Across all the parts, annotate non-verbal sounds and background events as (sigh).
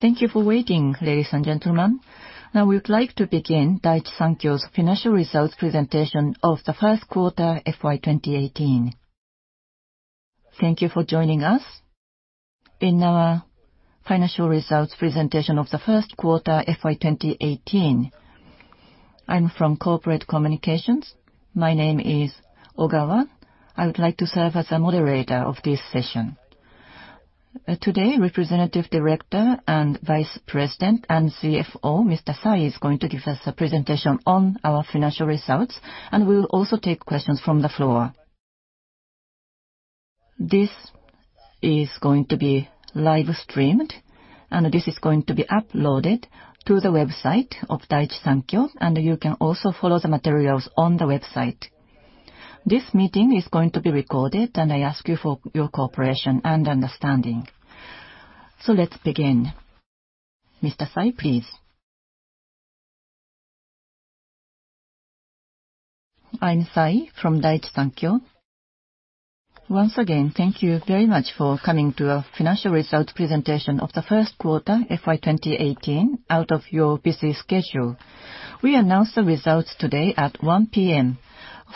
Thank you for waiting, ladies and gentlemen. We would like to begin Daiichi Sankyo's financial results presentation of the first quarter FY 2018. Thank you for joining us in our financial results presentation of the first quarter FY 2018. I am from Corporate Communications. My name is Ogawa. I would like to serve as the moderator of this session. Today, Representative Director and Vice President and CFO, Mr. Sai, is going to give us a presentation on our financial results. We will also take questions from the floor. This is going to be live streamed. This is going to be uploaded to Daiichi Sankyo's website. You can also follow the materials on the website. This meeting is going to be recorded. I ask you for your cooperation and understanding. Let's begin. Mr. Sai, please. I am Sai from Daiichi Sankyo. Once again, thank you very much for coming to our financial results presentation of the first quarter FY 2018 out of your busy schedule. We announce the results today at 1:00 P.M.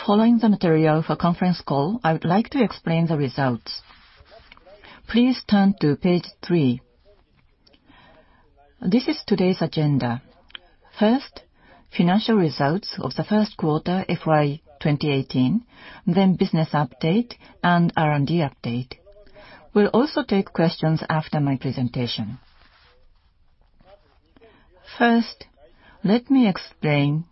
Following the material for conference call, I would like to explain the results. Please turn to page three. This is today's agenda. Financial results of the first quarter FY 2018, business update and R&D update. We will take questions after my presentation. Let me explain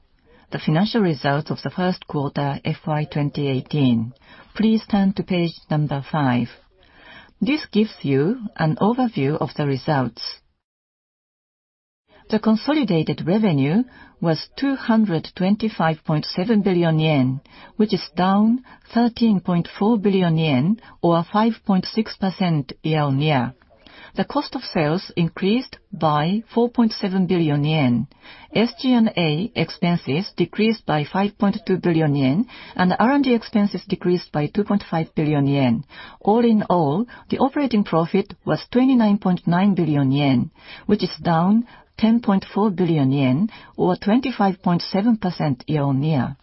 the financial results of the first quarter FY 2018. Please turn to page number five. This gives you an overview of the results. The consolidated revenue was 225.7 billion yen, which is down 13.4 billion yen, or 5.6% year-on-year. The cost of sales increased by 4.7 billion yen. SG&A expenses decreased by 5.2 billion yen. R&D expenses decreased by 2.5 billion yen. The operating profit was 29.9 billion yen, which is down 10.4 billion yen, or 25.7% year-on-year.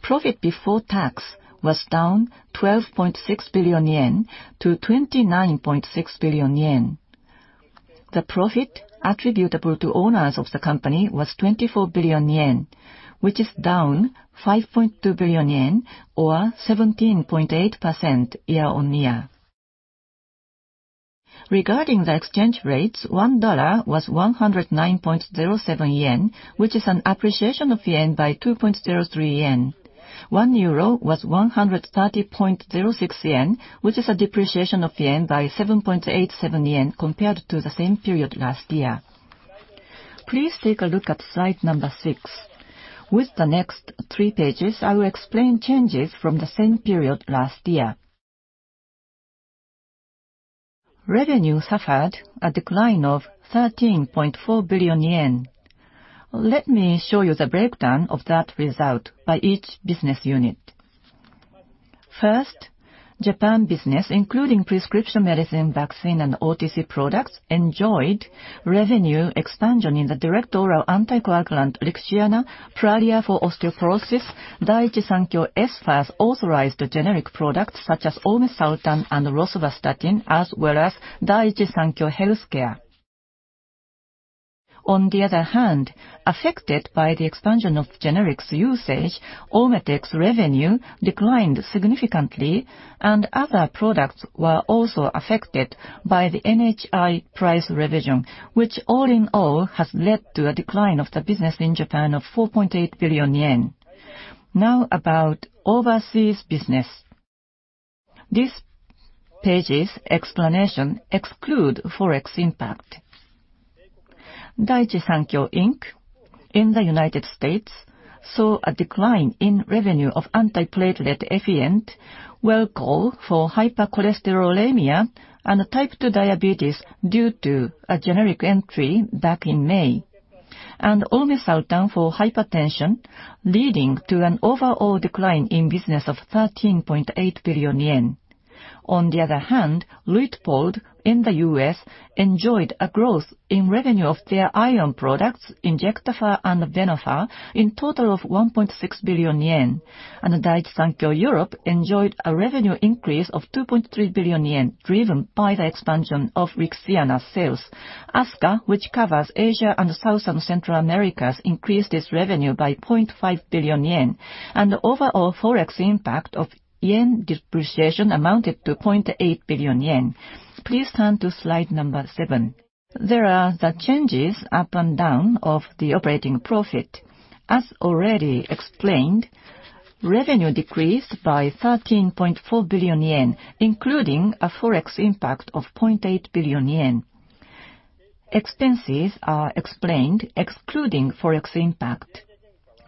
Profit before tax was down 12.6 billion yen to 29.6 billion yen. The profit attributable to owners of the company was 24 billion yen, which is down 5.2 billion yen, or 17.8% year-on-year. $1 was 109.07 yen, which is an appreciation of yen by 2.03 yen. 1 euro was 130.06 yen, which is a depreciation of yen by 7.87 yen compared to the same period last year. Please take a look at slide number six. With the next three pages, I will explain changes from the same period last year. Revenue suffered a decline of 13.4 billion yen. The breakdown of that result by each business unit. Japan business, including prescription medicine, vaccine, and OTC products, enjoyed revenue expansion in the direct oral anticoagulant, Lixiana, Prolia for osteoporosis, Daiichi Sankyo Espha's first authorized generic products such as olmesartan and rosuvastatin, as well as Daiichi Sankyo Healthcare. Affected by the expansion of generics usage, Olmetec's revenue declined significantly. Other products were also affected by the NHI price revision, which all in all has led to a decline of the business in Japan of 4.8 billion yen. About overseas business. This page's explanation exclude Forex impact. Daiichi Sankyo, Inc. in the United States saw a decline in revenue of antiplatelet Effient, Welchol for hypercholesterolemia, and Type 2 diabetes due to a generic entry back in May. olmesartan for hypertension, leading to an overall decline in business of 13.8 billion yen. On the other hand, Luitpold in the U.S. enjoyed a growth in revenue of their iron products, Injectafer and Venofer, in total of 1.6 billion yen. Daiichi Sankyo Europe enjoyed a revenue increase of 2.3 billion yen, driven by the expansion of Lixiana sales. ASCA, which covers Asia and South and Central America, increased its revenue by 0.5 billion yen, and overall Forex impact of yen depreciation amounted to 0.8 billion yen. Please turn to slide number seven. There are the changes up and down of the operating profit. As already explained, revenue decreased by 13.4 billion yen, including a Forex impact of 0.8 billion yen. Expenses are explained excluding Forex impact.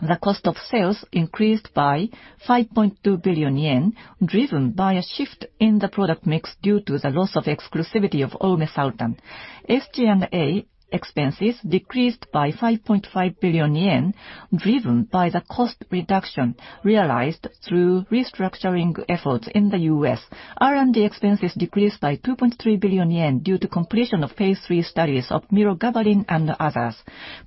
The cost of sales increased by 5.2 billion yen, driven by a shift in the product mix due to the loss of exclusivity of olmesartan. SG&A expenses decreased by 5.5 billion yen, driven by the cost reduction realized through restructuring efforts in the U.S. R&D expenses decreased by 2.3 billion yen due to completion of phase III studies of mirogabalin and others.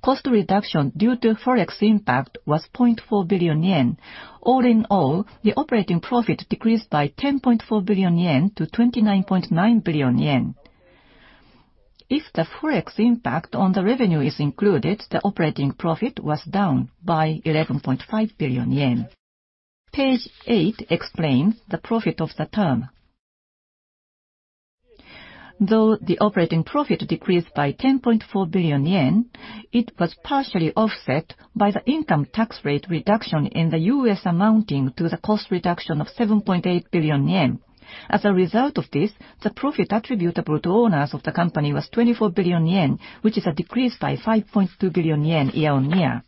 Cost reduction due to Forex impact was 0.4 billion yen. All in all, the operating profit decreased by 10.4 billion yen to 29.9 billion yen. If the Forex impact on the revenue is included, the operating profit was down by 11.5 billion yen. Page eight explains the profit of the term. Though the operating profit decreased by 10.4 billion yen, it was partially offset by the income tax rate reduction in the U.S. amounting to the cost reduction of 7.8 billion yen. As a result of this, the profit attributable to owners of the company was 24 billion yen, which is a decrease by 5.2 billion yen year-on-year.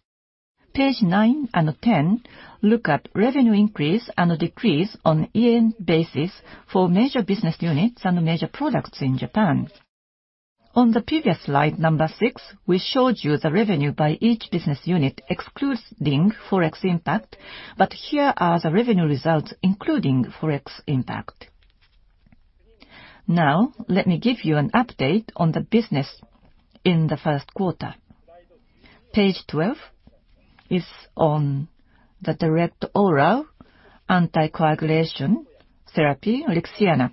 Page nine and 10 look at revenue increase and a decrease on a year-on-year basis for major business units and major products in Japan. On the previous slide number six, we showed you the revenue by each business unit excluding Forex impact, but here are the revenue results, including Forex impact. Let me give you an update on the business in the first quarter. Page 12 is on the direct oral anticoagulant therapy, Lixiana.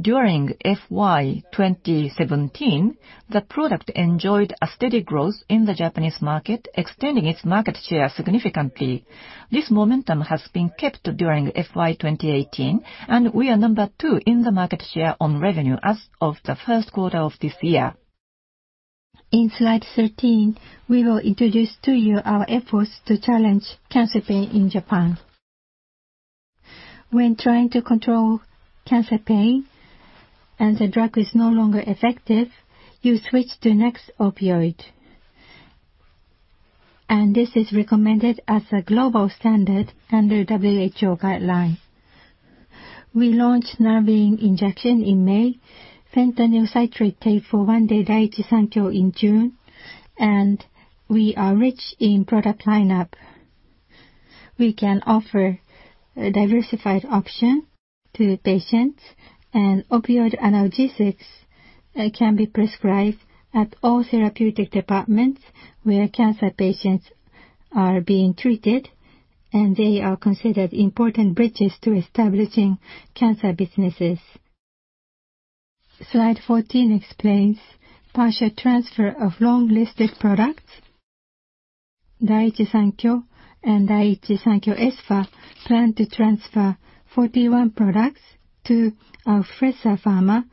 During FY 2017, the product enjoyed a steady growth in the Japanese market, extending its market share significantly. This momentum has been kept during FY 2018, and we are number two in the market share on revenue as of the first quarter of this year. In slide 13, we will introduce to you our efforts to challenge cancer pain in Japan. When trying to control cancer pain and the drug is no longer effective, you switch to the next opioid. This is recommended as a global standard under WHO guidelines. We launched Naruvein injection in May, FENTANYL CITRATE TAPE “DAIICHI SANKYO” in June, and we are rich in product lineup. We can offer a diversified option to patients. Opioid analgesics can be prescribed at all therapeutic departments where cancer patients are being treated, and they are considered important bridges to establishing cancer businesses. Slide 14 explains partial transfer of long-listed products. Daiichi Sankyo and Daiichi Sankyo Espha plan to transfer 41 products to Alfresa Pharma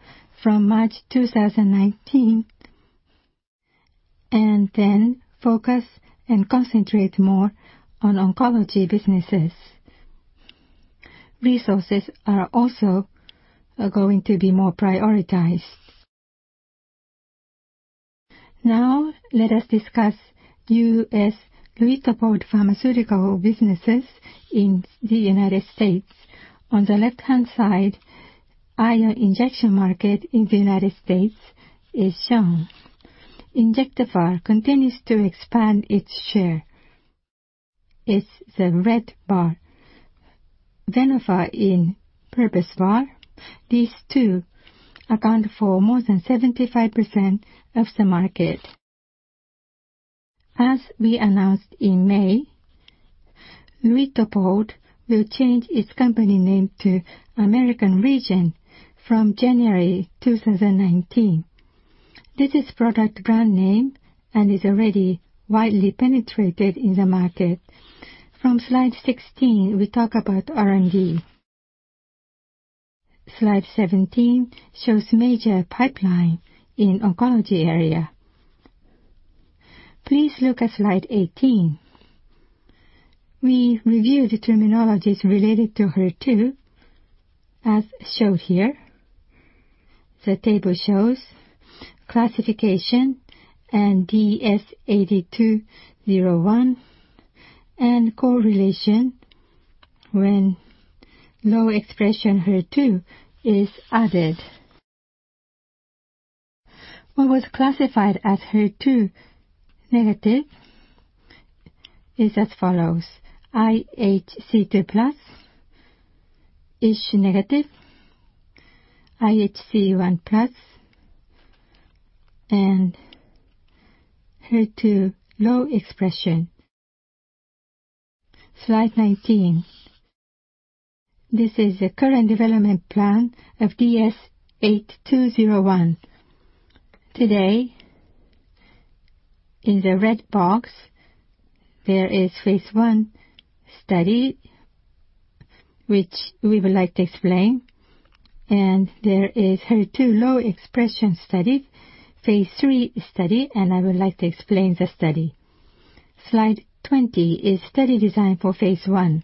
from March 2019, then focus and concentrate more on oncology businesses. Resources are also going to be more prioritized. Let us discuss U.S. Luitpold Pharmaceuticals businesses in the United States. On the left-hand side, iron injection market in the United States is shown. Injectafer continues to expand its share. It's the red bar. Venofer in purple bar. These two account for more than 75% of the market. As we announced in May, Luitpold will change its company name to American Regent from January 2019. This is product brand name and is already widely penetrated in the market. From slide 16, we talk about R&D. Slide 17 shows major pipeline in oncology area. Please look at slide 18. We review the terminologies related to HER2 as shown here. The table shows classification and DS-8201 and correlation when low expression HER2 is added. What was classified as HER2 negative is as follows: IHC 2+, ISH negative, IHC 1+ and HER2 low expression. Slide 19. This is the current development plan of DS-8201. Today, in the red box, there is phase I study, which we would like to explain, and there is HER2 low expression study, phase III study, and I would like to explain the study. Slide 20 is study design for phase I.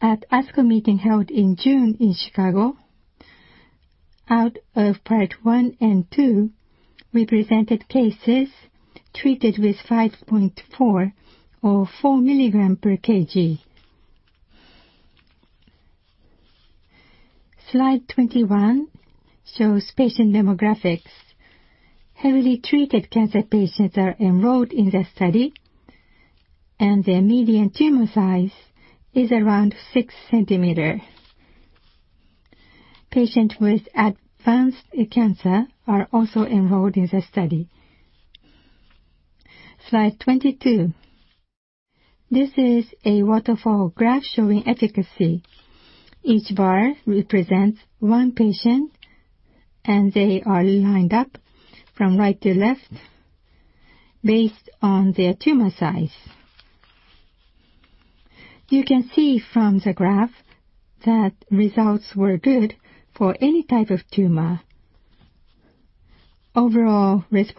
At ASCO meeting held in June in Chicago, out of part one and two, we presented cases treated with 5.4 or four milligram per kg. Slide 21 shows patient demographics. Heavily treated cancer patients are enrolled in the study, and their median tumor size is around six centimeters. Patients with advanced cancer are also enrolled in the study. Slide 22. This is a waterfall graph showing efficacy. Each bar represents one patient, and they are lined up from right to left based on their tumor size. You can see from the graph that results were good for any type of tumor. ORR was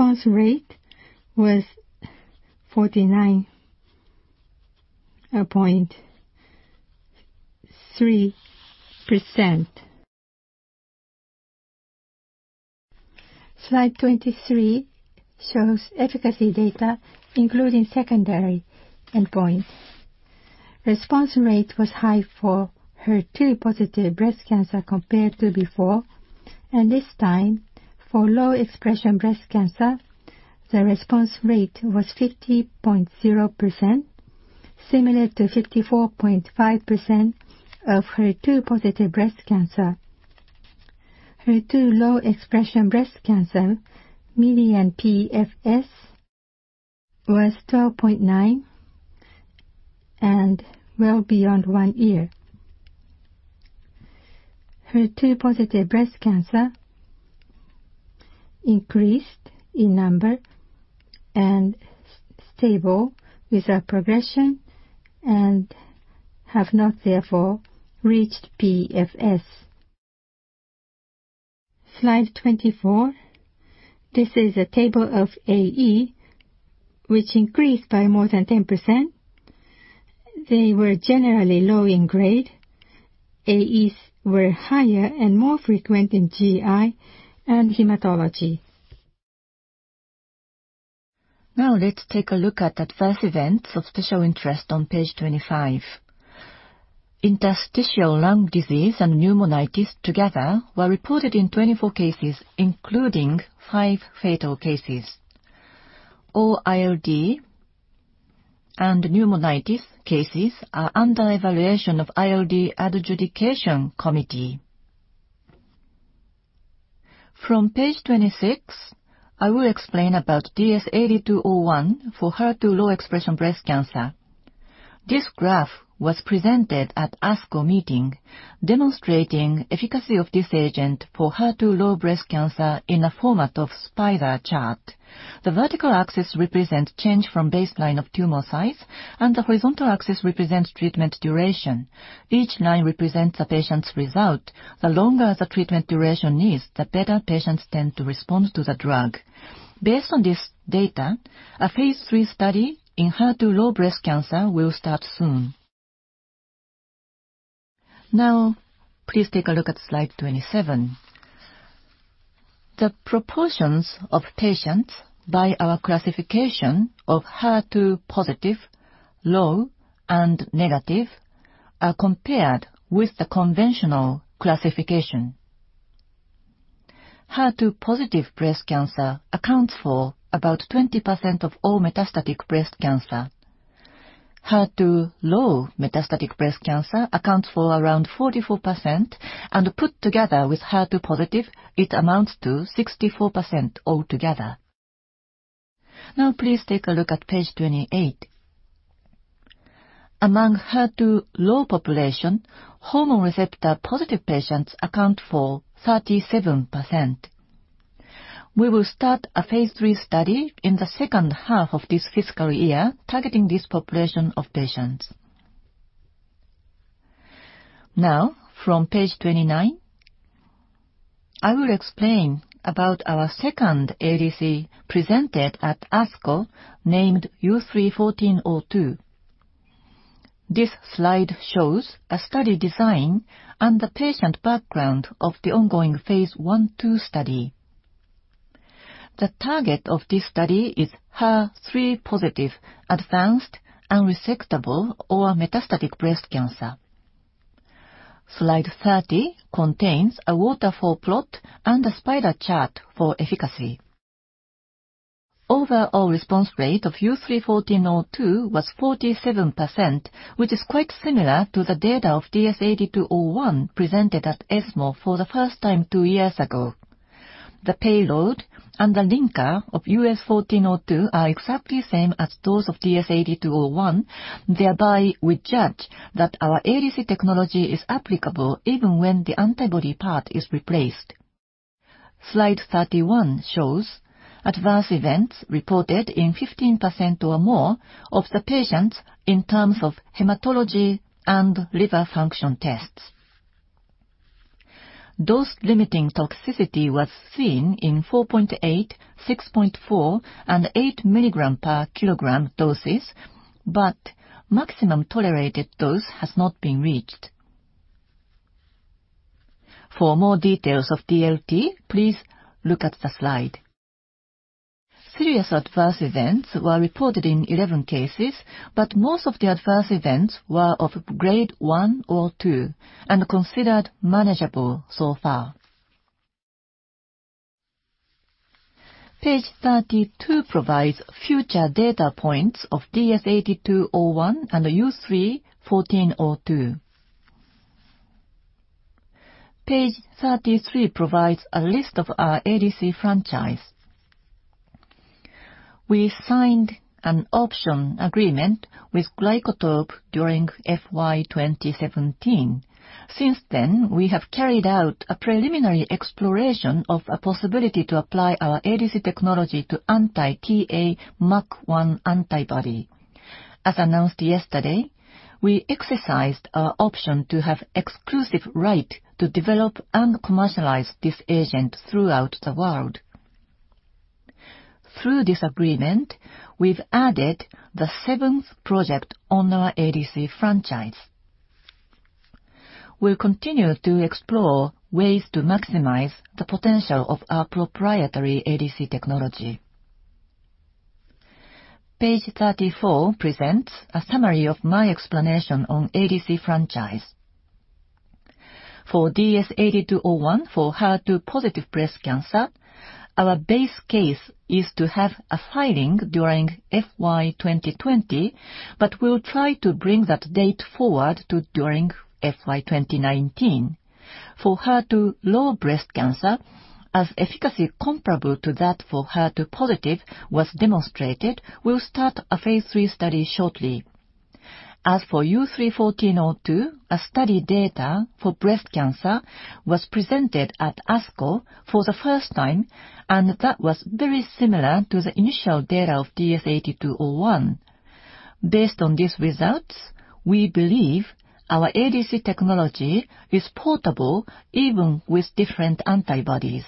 49.3%. Slide 23 shows efficacy data, including secondary endpoints. Response rate was high for HER2-positive breast cancer compared to before, and this time, for low-expression breast cancer, the response rate was 50.0%, similar to 54.5% of HER2-positive breast cancer. HER2 low-expression breast cancer median PFS was 12.9 and well beyond one year. HER2-positive breast cancer increased in number and stable without progression, and have not therefore reached PFS. Slide 24. This is a table of AE, which increased by more than 10%. They were generally low in grade. AEs were higher and more frequent in GI and hematology. Let's take a look at adverse events of special interest on page 25. Interstitial lung disease and pneumonitis together were reported in 24 cases, including five fatal cases. All ILD and pneumonitis cases are under evaluation of ILD Adjudication Committee. From page 26, I will explain about DS-8201 for HER2 low-expression breast cancer. This graph was presented at ASCO meeting, demonstrating efficacy of this agent for HER2 low breast cancer in a format of spider chart. The vertical axis represents change from baseline of tumor size, and the horizontal axis represents treatment duration. Each line represents a patient's result. The longer the treatment duration is, the better patients tend to respond to the drug. Based on this data, a phase III study in HER2 low breast cancer will start soon. Please take a look at slide 27. The proportions of patients by our classification of HER2-positive, low, and negative are compared with the conventional classification. HER2-positive breast cancer accounts for about 20% of all metastatic breast cancer. HER2-low metastatic breast cancer accounts for around 44%, and put together with HER2-positive, it amounts to 64% altogether. Now please take a look at page 28. Among HER2-low population, hormone receptor-positive patients account for 37%. We will start a phase III study in the second half of this fiscal year targeting this population of patients. From page 29, I will explain about our second ADC presented at ASCO named U3-1402. This slide shows a study design and the patient background of the ongoing phase I/II study. The target of this study is HER3-positive advanced, unresectable, or metastatic breast cancer. Slide 30 contains a waterfall plot and a spider chart for efficacy. Overall response rate of U3-1402 was 47%, which is quite similar to the data of DS-8201 presented at ESMO for the first time two years ago. The payload and the linker of U3-1402 are exactly the same as those of DS-8201. Thereby, we judge that our ADC technology is applicable even when the antibody part is replaced. Slide 31 shows adverse events reported in 15% or more of the patients in terms of hematology and liver function tests. Dose-limiting toxicity was seen in 4.8, 6.4, and eight milligram per kilogram doses, but maximum tolerated dose has not been reached. For more details of DLT, please look at the slide. Serious adverse events were reported in 11 cases, but most of the adverse events were of Grade 1 or 2 and considered manageable so far. Page 32 provides future data points of DS-8201 and U3-1402. Page 33 provides a list of our ADC franchise. We signed an option agreement with Glycotope during FY 2017. Since then, we have carried out a preliminary exploration of a possibility to apply our ADC technology to anti-TA-MUC1 antibody. As announced yesterday, we exercised our option to have exclusive right to develop and commercialize this agent throughout the world. Through this agreement, we added the seventh project on our ADC franchise. We will continue to explore ways to maximize the potential of our proprietary ADC technology. Page 34 presents a summary of my explanation on ADC franchise. For DS-8201 for HER2-positive breast cancer, our base case is to have a filing during FY 2020, but we will try to bring that date forward to during FY 2019. For HER2-low breast cancer, as efficacy comparable to that for HER2-positive was demonstrated, we will start a phase III study shortly. As for U3-1402, a study data for breast cancer was presented at ASCO for the first time, and that was very similar to the initial data of DS-8201. Based on these results, we believe our ADC technology is portable even with different antibodies.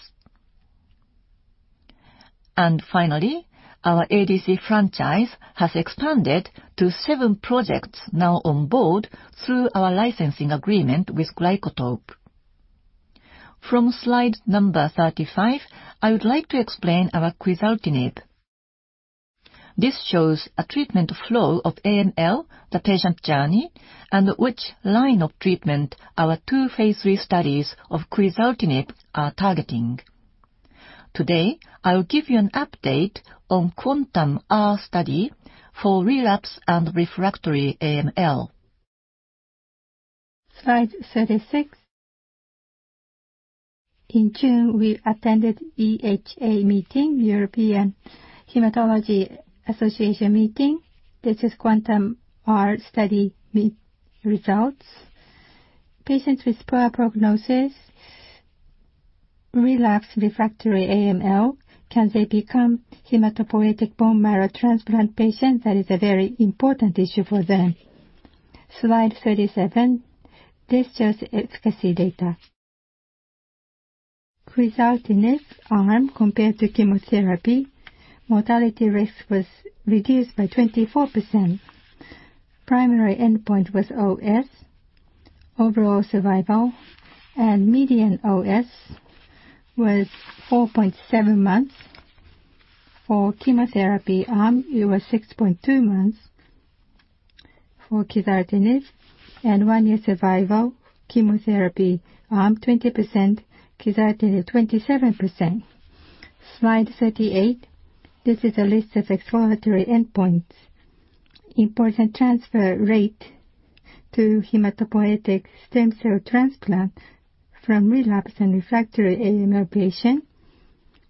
Finally, our ADC franchise has expanded to seven projects now on board through our licensing agreement with Glycotope. From slide number 35, I would like to explain our quizartinib. This shows a treatment flow of AML, the patient journey, and which line of treatment our two phase III studies of quizartinib are targeting. Today, I will give you an update on QuANTUM-R study for relapse and refractory AML. Slide 36. In June, we attended EHA meeting, European Hematology Association meeting. This is QuANTUM-R study results. Patients with poor prognosis, relapse refractory AML, can they become hematopoietic bone marrow transplant patient? That is a very important issue for them. Slide 37. This shows efficacy data. Quizartinib arm compared to chemotherapy, mortality risk was reduced by 24%. Primary endpoint was OS, overall survival, and median OS was 4.7 months. For chemotherapy arm, it was 6.2 months. For quizartinib and one-year survival, chemotherapy arm 20%, quizartinib 27%. Slide 38. This is a list of exploratory endpoints. Important transfer rate to hematopoietic stem cell transplant from relapse and refractory AML patient.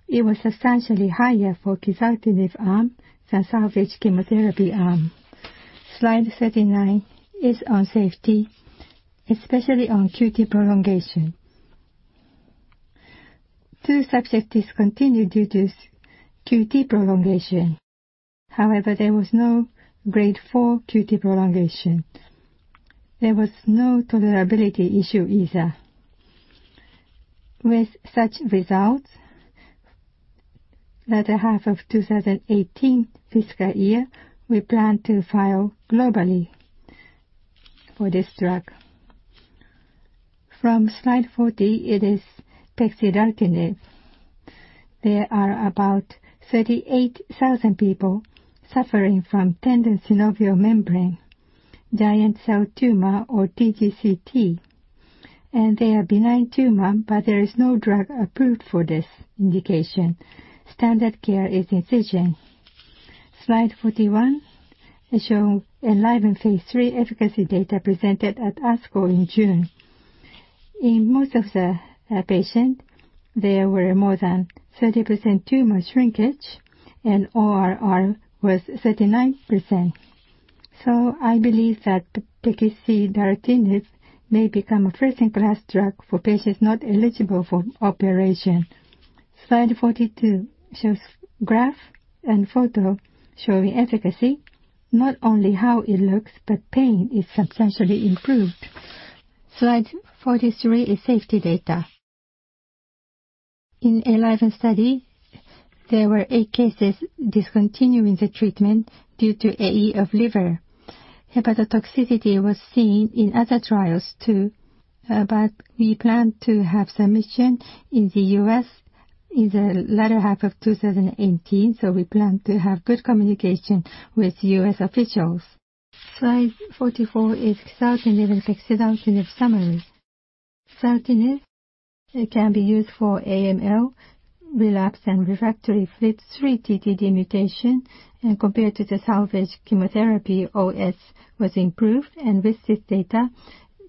It was substantially higher for quizartinib arm than salvage chemotherapy arm. Slide 39 is on safety, especially on QT prolongation. Two subjects discontinued due to QT prolongation. However, there was no grade 4 QT prolongation. There was no tolerability issue either. With such results, latter half of 2018 fiscal year, we plan to file globally for this drug. From slide 40, it is pexidartinib. There are about 38,000 people suffering from tenosynovial giant cell tumor, or TGCT, and they are benign tumor, but there is no drug approved for this indication. Standard care is incision. Slide 41 is showing ENLIVEN phase III efficacy data presented at ASCO in June. In most of the patient, there were more than 30% tumor shrinkage and ORR was 39%. I believe that pexidartinib may become a first-in-class drug for patients not eligible for operation. Slide 42 shows graph and photo showing efficacy, not only how it looks, but pain is substantially improved. Slide 43 is safety data. In ENLIVEN study, there were eight cases discontinuing the treatment due to AE of liver. Hepatotoxicity was seen in other trials too. We plan to have submission in the U.S. in the latter half of 2018. We plan to have good communication with U.S. officials. Slide 44 is quizartinib and pexidartinib summaries. Quizartinib It can be used for AML, relapse and refractory FLT3-ITD mutation. Compared to the salvage chemotherapy, OS was improved. With this data,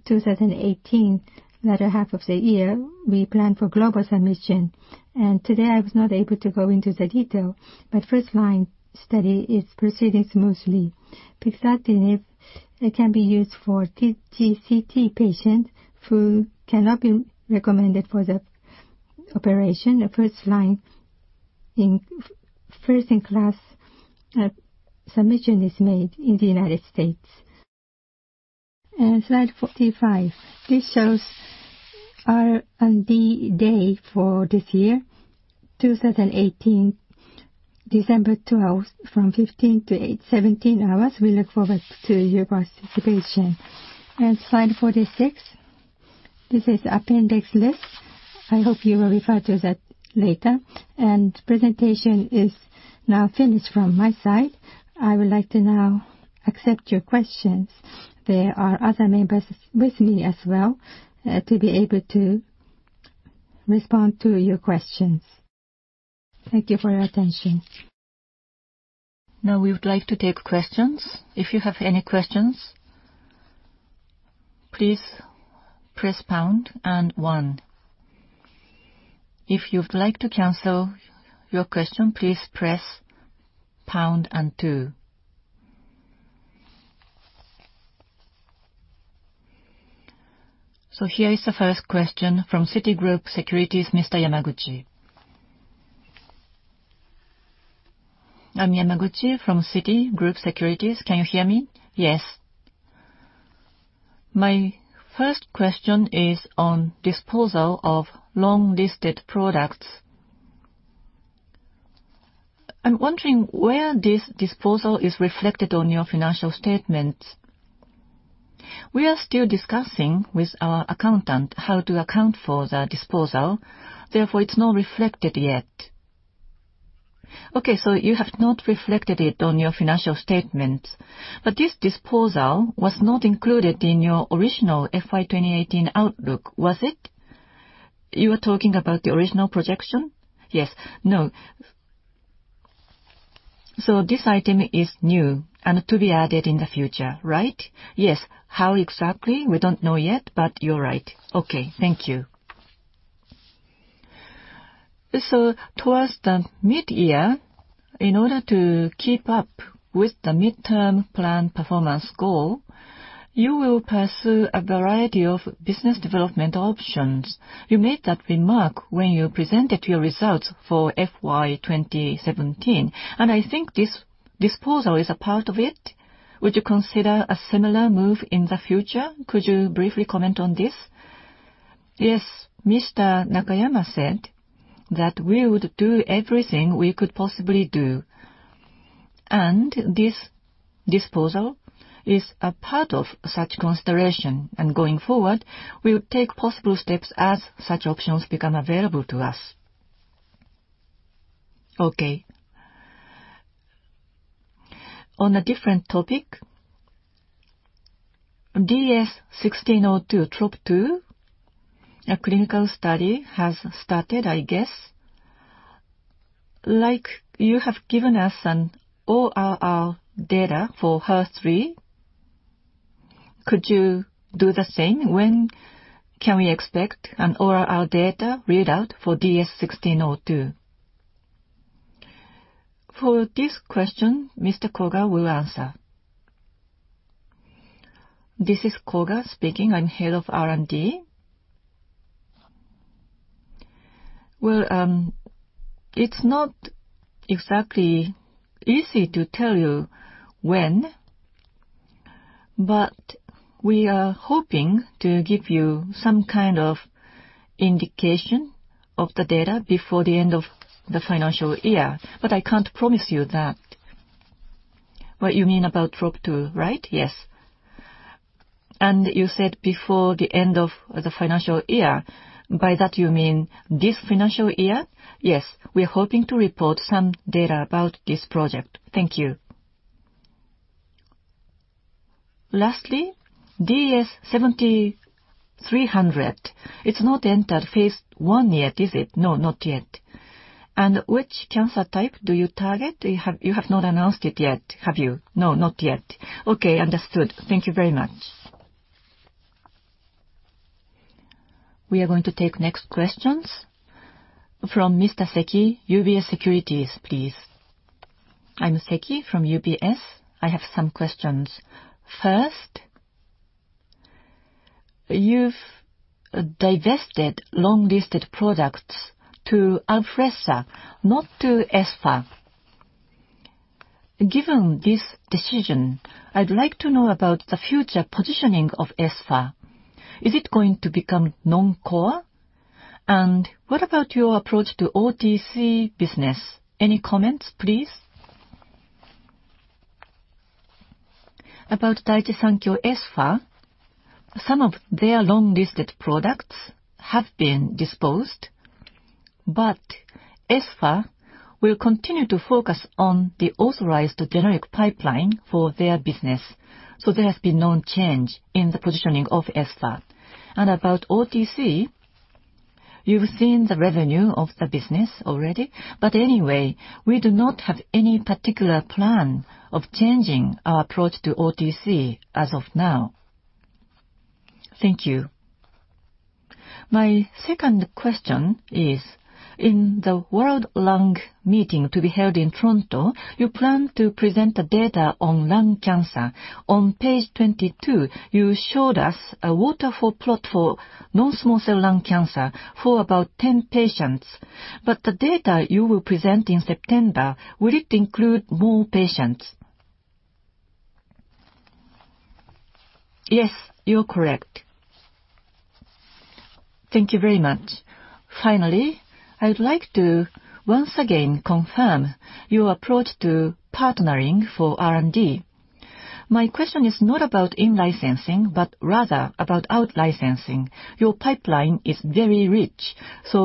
2018, latter half of the year, we planned for global submission. Today I was not able to go into the detail, but first-line study is proceeding smoothly. It can be used for TGCT patient who cannot be recommended for the operation. The first-in-class submission is made in the United States. Slide 45. This shows our R&D day for this year, 2018, December 12, from 15 to 17 hours. We look forward to your participation. Slide 46. This is appendix list. I hope you will refer to that later. Presentation is now finished from my side. I would like to now accept your questions. There are other members with me as well, to be able to respond to your questions. Thank you for your attention. Now we would like to take questions. If you have any questions, please press pound and one. If you'd like to cancel your question, please press pound and two. Here is the first question from Citigroup Securities, Mr. Yamaguchi. I'm Yamaguchi from Citigroup Securities. Can you hear me? Yes. My first question is on disposal of long-listed products. I'm wondering where this disposal is reflected on your financial statements. We are still discussing with our accountant how to account for the disposal. Therefore, it's not reflected yet. Okay. You have not reflected it on your financial statements, but this disposal was not included in your original FY2018 outlook, was it? You are talking about the original projection? Yes. No. This item is new and to be added in the future, right? Yes. How exactly, we don't know yet, but you're right. Okay. Thank you. Towards the mid-year, in order to keep up with the midterm plan performance goal, you will pursue a variety of business development options. You made that remark when you presented your results for FY2017, and I think this disposal is a part of it. Would you consider a similar move in the future? Could you briefly comment on this? Yes. Mr. Nakayama said that we would do everything we could possibly do, and this disposal is a part of such consideration. Going forward, we will take possible steps as such options become available to us. Okay. On a different topic, DS-1062 TROP2, a clinical study has started, I guess. Like you have given us an ORR data for HER3, could you do the same? When can we expect an ORR data readout for DS-1062? For this question, Mr. Koga will answer. This is Koga speaking, I'm head of R&D. Well, it's not exactly easy to tell you when, but we are hoping to give you some kind of indication of the data before the end of the financial year. I can't promise you that. What you mean about TROP2, right? Yes. You said before the end of the financial year. By that you mean this financial year? Yes. We are hoping to report some data about this project. Thank you. Lastly, DS-7300. It's not entered phase I yet, is it? No, not yet. Which cancer type do you target? You have not announced it yet, have you? No, not yet. Okay, understood. Thank you very much. We are going to take next questions from Mr. Seki, UBS Securities, please. I'm Seki from UBS. I have some questions. First, you've divested long-listed products to Alfresa, not to Espha. Given this decision, I'd like to know about the future positioning of Espha. Is it going to become non-core? What about your approach to OTC business? Any comments, please? About Daiichi Sankyo Espha, some of their long-listed products have been disposed. Espha will continue to focus on the authorized generic pipeline for their business. There has been no change in the positioning of Espha. About OTC, you've seen the revenue of the business already, but anyway, we do not have any particular plan of changing our approach to OTC as of now. Thank you. My second question is, in the World Conference on Lung Cancer to be held in Toronto, you plan to present the data on lung cancer. On page 22, you showed us a waterfall plot for non-small cell lung cancer for about 10 patients. The data you will present in September, will it include more patients? Yes, you're correct. Thank you very much. Finally, I would like to once again confirm your approach to partnering for R&D. My question is not about in-licensing, but rather about out-licensing. Your pipeline is very rich,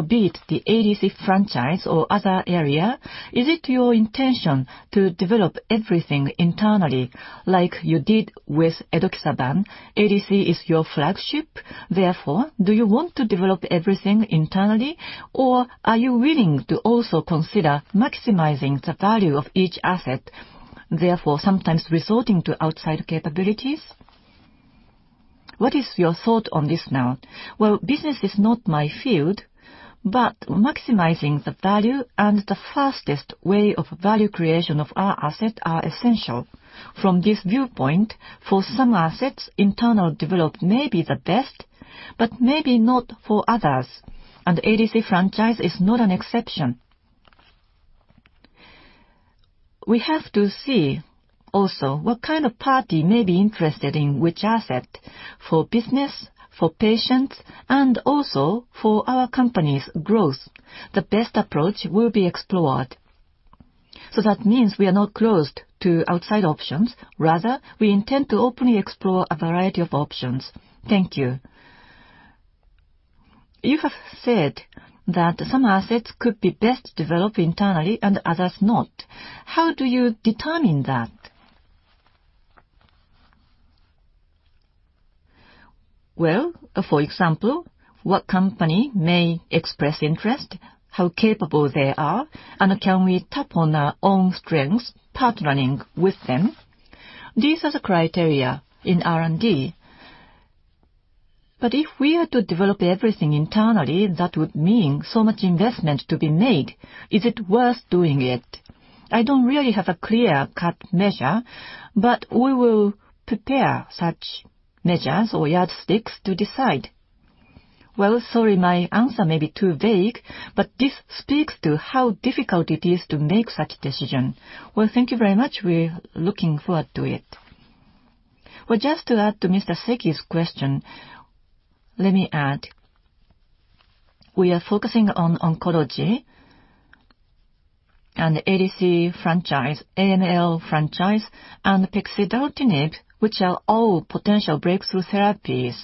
be it the ADC franchise or other area, is it your intention to develop everything internally like you did with aducanumab? ADC is your flagship, do you want to develop everything internally? Are you willing to also consider maximizing the value of each asset, therefore sometimes resorting to outside capabilities? What is your thought on this now? Business is not my field, maximizing the value and the fastest way of value creation of our asset are essential. From this viewpoint, for some assets, internal develop may be the best, but maybe not for others, ADC franchise is not an exception. We have to see also what kind of party may be interested in which asset. For business, for patients, and also for our company's growth, the best approach will be explored. That means we are not closed to outside options. We intend to openly explore a variety of options. Thank you. You have said that some assets could be best developed internally and others not. How do you determine that? For example, what company may express interest, how capable they are, and can we tap on our own strengths partnering with them? These are the criteria in R&D. If we are to develop everything internally, that would mean so much investment to be made. Is it worth doing it? I don't really have a clear-cut measure, we will prepare such measures or yardsticks to decide. Sorry, my answer may be too vague, this speaks to how difficult it is to make such decision. Thank you very much. We're looking forward to it. Just to add to Mr. Seki's question, let me add, we are focusing on oncology and the ADC franchise, AML franchise, and pexidartinib, which are all potential breakthrough therapies.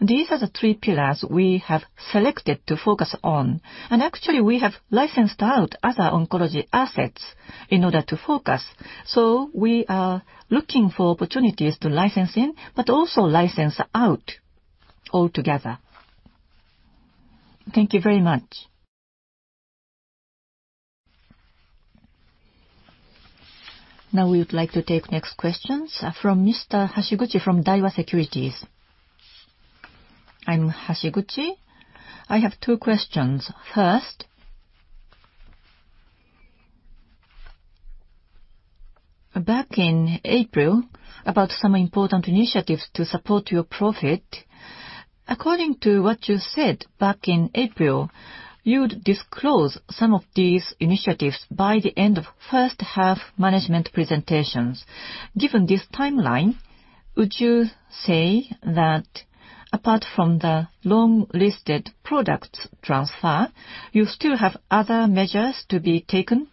These are the three pillars we have selected to focus on. Actually, we have licensed out other oncology assets in order to focus. We are looking for opportunities to license in, but also license out altogether. Thank you very much. We would like to take next questions from Mr. Hashiguchi from Daiwa Securities. I'm Hashiguchi. I have two questions. Back in April about some important initiatives to support your profit. According to what you said back in April, you'd disclose some of these initiatives by the end of first half management presentations. Given this timeline, would you say that apart from the long-listed products transfer, you still have other measures to be taken?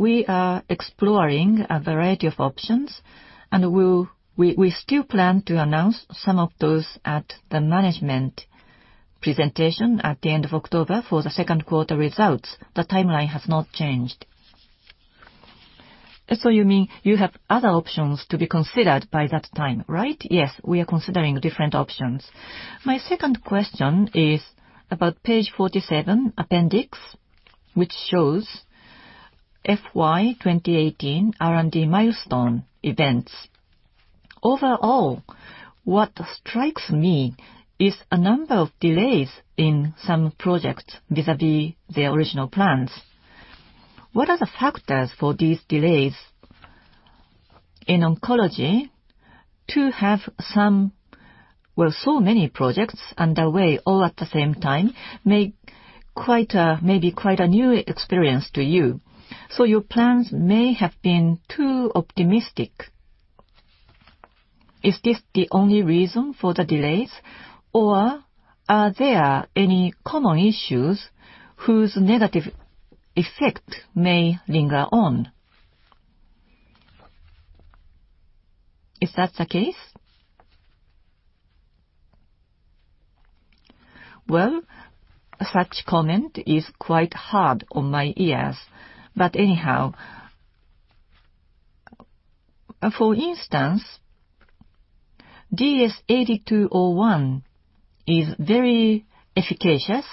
We are exploring a variety of options, and we still plan to announce some of those at the management presentation at the end of October for the second quarter results. The timeline has not changed. You mean you have other options to be considered by that time, right? We are considering different options. My second question is about page 47, appendix, which shows FY 2018 R&D milestone events. Overall, what strikes me is a number of delays in some projects vis-à-vis the original plans. What are the factors for these delays in oncology to have so many projects underway all at the same time may be quite a new experience to you, so your plans may have been too optimistic. Is this the only reason for the delays, or are there any common issues whose negative effect may linger on? Is that the case? Such comment is quite hard on my ears, but anyhow. For instance, DS-8201 is very efficacious,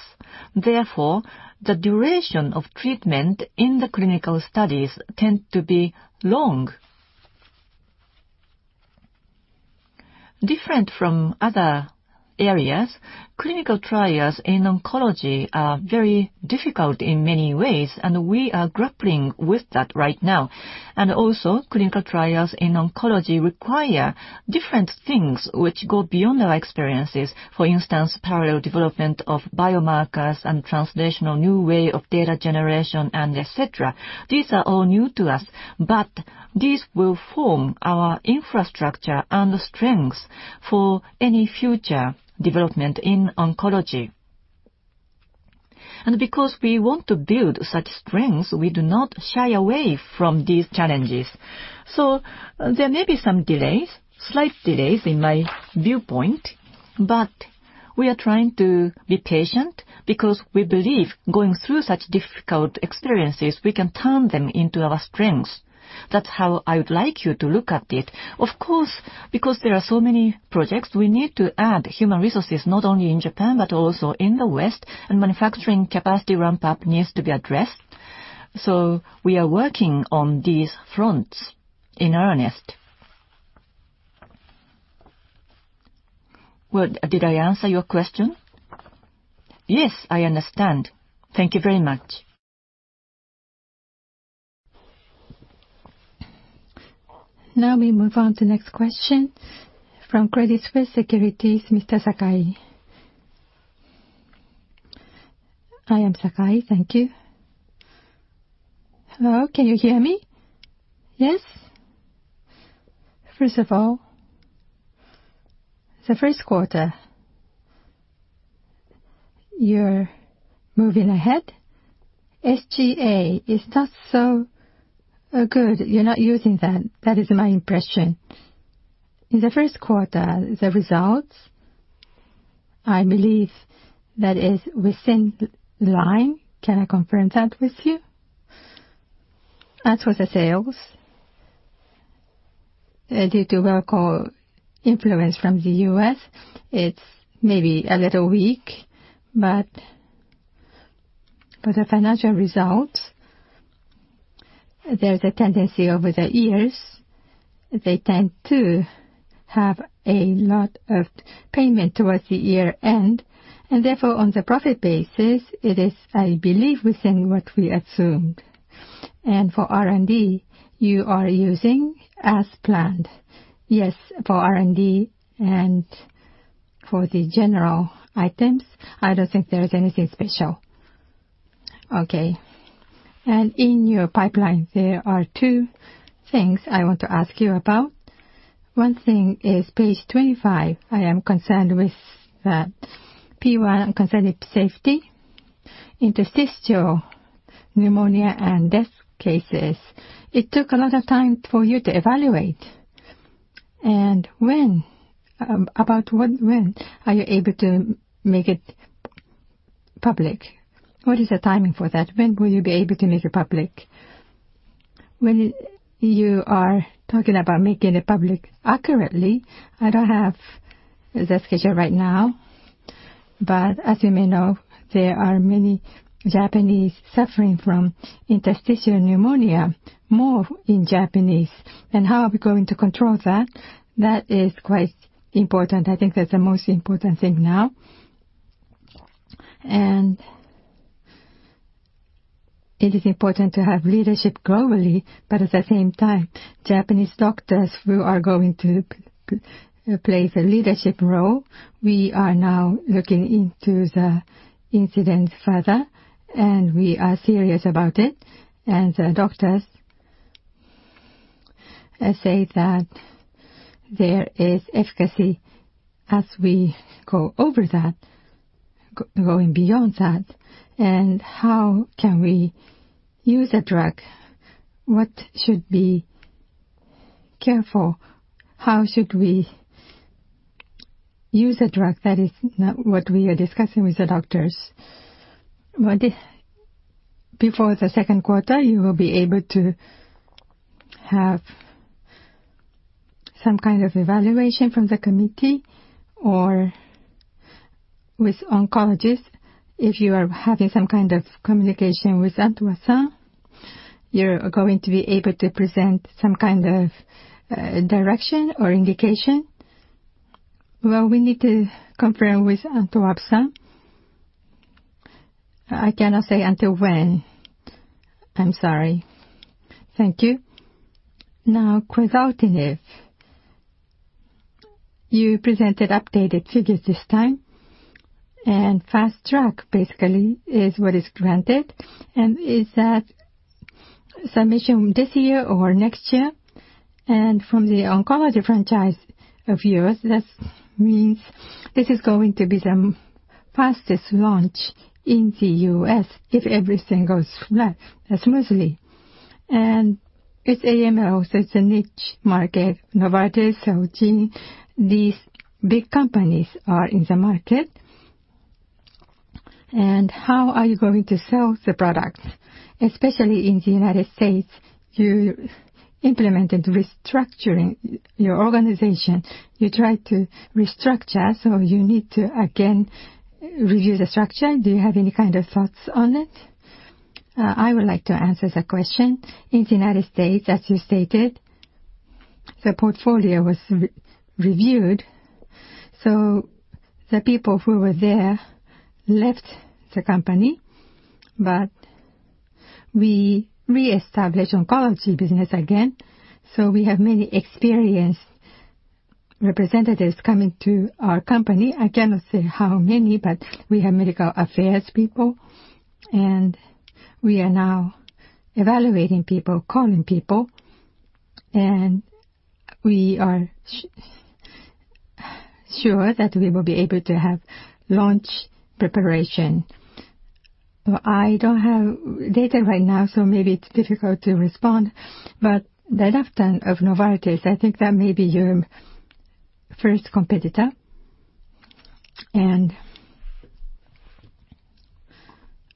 therefore, the duration of treatment in the clinical studies tend to be long. Different from other areas, clinical trials in oncology are very difficult in many ways, and we are grappling with that right now. Also, clinical trials in oncology require different things which go beyond our experiences. For instance, parallel development of biomarkers and translational new way of data generation and et cetera. These are all new to us, these will form our infrastructure and strengths for any future development in oncology. Because we want to build such strengths, we do not shy away from these challenges. There may be some delays, slight delays in my viewpoint, but we are trying to be patient because we believe going through such difficult experiences, we can turn them into our strengths. That's how I would like you to look at it. Of course, because there are so many projects, we need to add human resources not only in Japan but also in the West, and manufacturing capacity ramp-up needs to be addressed. We are working on these fronts in earnest. Did I answer your question? I understand. Thank you very much. We move on to next question from Credit Suisse Securities, Mr. Sakai. I am Sakai. Thank you. Hello, can you hear me? Yes. The first quarter, you are moving ahead. SG&A is not so good. You are not using that. That is my impression. In the first quarter, the results, I believe that is within line. Can I confirm that with you? For the sales, due to work or influence from the U.S., it is maybe a little weak. For the financial results, there is a tendency over the years, they tend to have a lot of payment towards the year-end. Therefore, on the profit basis, it is, I believe, within what we assumed. For R&D, you are using as planned? Yes. For R&D and for the general items, I don't think there is anything special. Okay. In your pipeline, there are two things I want to ask you about. One thing is page 25. I am concerned with the P1 concerning safety, interstitial pneumonia, and death cases. It took a lot of time for you to evaluate. About when are you able to make it public? What is the timing for that? When will you be able to make it public? When you are talking about making it public accurately, I don't have the schedule right now. As you may know, there are many Japanese suffering from interstitial pneumonia, more in Japanese. How are we going to control that? That is quite important. I think that's the most important thing now. It is important to have leadership globally, but at the same time, Japanese doctors who are going to play the leadership role, we are now looking into the incident further, and we are serious about it. The doctors say that there is efficacy as we go over that, going beyond that. How can we use a drug? What should be careful? How should we use a drug? That is what we are discussing with the doctors. Before the second quarter, you will be able to have some kind of evaluation from the committee or with oncologists. If you are having some kind of communication with Antoine-san, you're going to be able to present some kind of direction or indication? Well, we need to confirm with Antoine-san. I cannot say until when. I'm sorry. Thank you. Yes. You presented updated figures this time. Fast Track basically is what is granted. Is that submission this year or next year? From the oncology franchise of yours, that means this is going to be Fastest launch in the U.S. if everything goes smoothly. It's AML, so it's a niche market. Novartis, Roche, these big companies are in the market. How are you going to sell the product? Especially in the U.S., you implemented restructuring your organization. You tried to restructure, so you need to again review the structure. Do you have any kind of thoughts on it? I would like to answer the question. In the U.S., as you stated, the portfolio was reviewed. The people who were there left the company, but we re-establish oncology business again. We have many experienced representatives coming to our company. I cannot say how many, but we have medical affairs people, and we are now evaluating people, calling people, and we are sure that we will be able to have launch preparation. I don't have data right now, so maybe it's difficult to respond. The (inaudible) of Novartis, I think that may be your first competitor.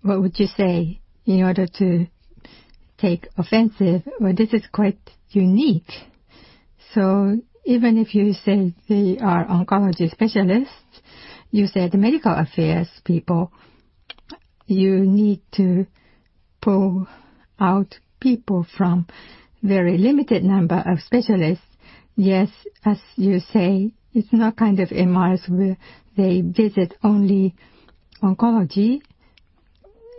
What would you say in order to take offensive? Well, this is quite unique. Even if you say they are oncology specialists, you said medical affairs people, you need to pull out people from very limited number of specialists. Yes. As you say, it's not kind of MRs where they visit only oncology.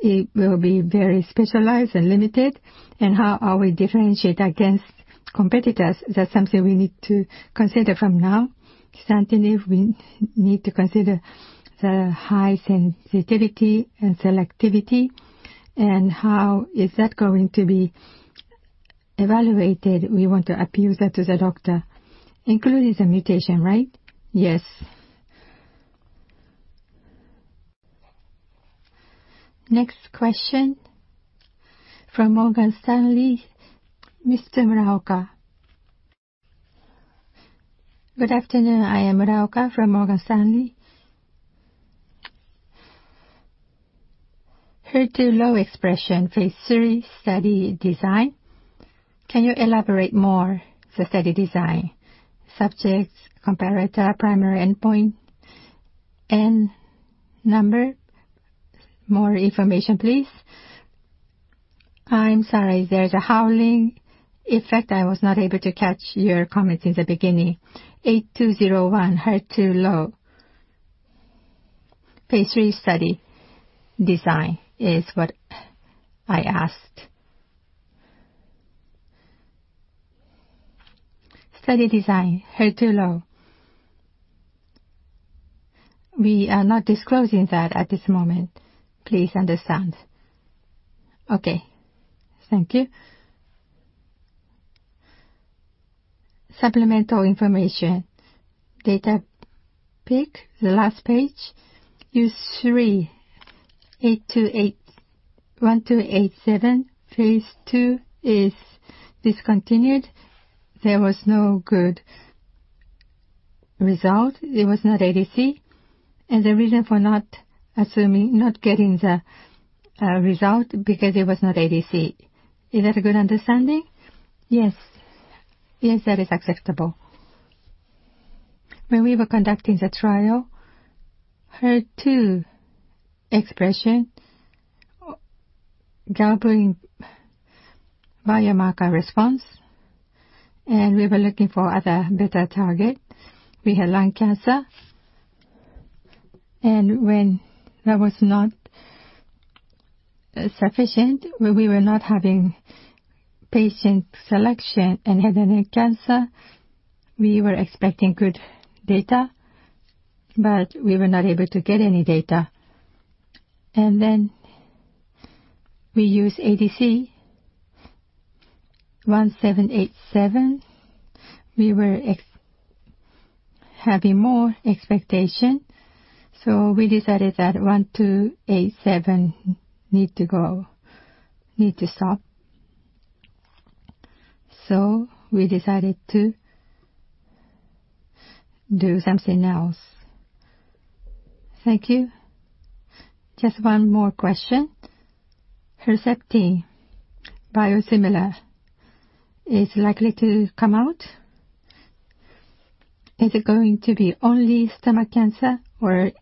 It will be very specialized and limited. How are we differentiate against competitors? That's something we need to consider from now. (inaudible) we need to consider the high sensitivity and selectivity and how is that going to be evaluated. We want to appeal that to the doctor. Including the mutation, right? Yes. Next question from Morgan Stanley. Mr. Muraoka. Good afternoon. I am Muraoka from Morgan Stanley. HER2 low expression phase III study design. Can you elaborate more the study design, subjects, comparator, primary endpoint, and number? More information, please. I'm sorry. There's a howling effect. I was not able to catch your comment in the beginning. 8201 HER2 low phase III study design is what I asked. Study design HER2 low. We are not disclosing that at this moment. Please understand. Okay. Thank you. Supplemental information, data pick, the last page, U3-1287, phase II is discontinued. There was no good result. It was not ADC. The reason for not getting the result because it was not ADC. Is that a good understanding? Yes. Yes, that is acceptable. When we were conducting the trial, HER2 expression gathering biomarker response, and we were looking for other better target. We had lung cancer. When that was not sufficient, we were not having patient selection and head and neck cancer. We were expecting good data, but we were not able to get any data. We use ADC, [1787P]. We were having more expectation. We decided that 1287 need to stop. We decided to do something else. Thank you. Just one more question. Herceptin biosimilar is likely to come out. Is it going to be only stomach cancer or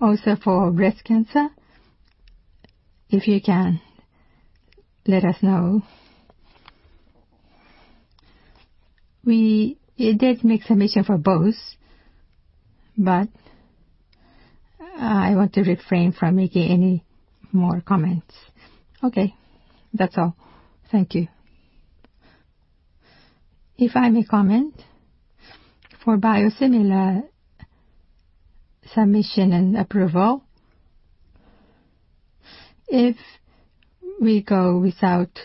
also for breast cancer? If you can let us know. We did make submission for both, but I want to refrain from making any more comments. Okay. That's all. Thank you. If I may comment, for biosimilar submission and approval. If we go without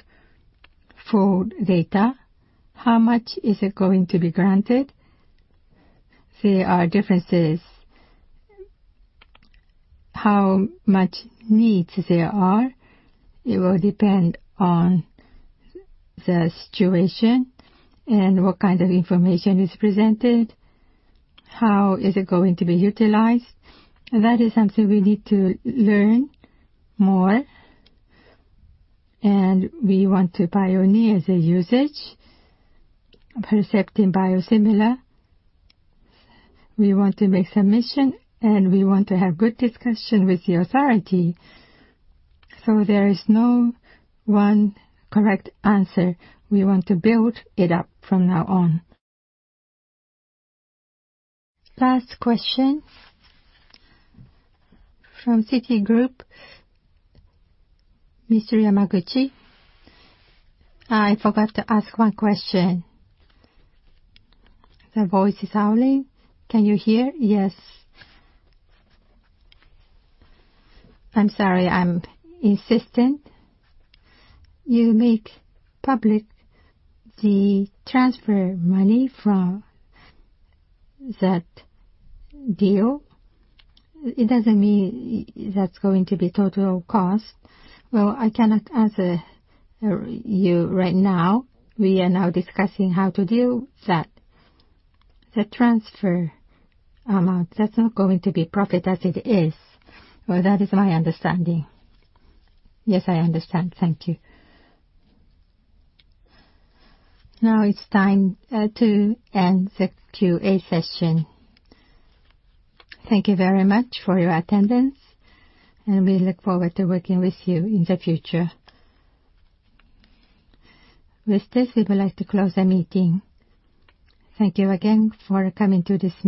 full data, how much is it going to be granted? There are differences. How much needs there are, it will depend on the situation and what kind of information is presented, how is it going to be utilized. That is something we need to learn more, and we want to pioneer the usage, Herceptin biosimilar. We want to make submission, and we want to have good discussion with the authority. There is no one correct answer. We want to build it up from now on. Last question from Citigroup, Mr. Yamaguchi. I forgot to ask one question. The voice is howling. Can you hear? Yes. I'm sorry. I'm insistent. You make public the transfer money from that deal. It doesn't mean that's going to be total cost. Well, I cannot answer you right now. We are now discussing how to deal with that. The transfer amount, that's not going to be profit as it is. Well, that is my understanding. Yes, I understand. Thank you. Now it's time to end the QA session. Thank you very much for your attendance, and we look forward to working with you in the future. With this, we would like to close the meeting. Thank you again for coming to this meeting.